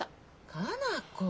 佳奈子。